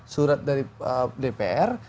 surat dari dpr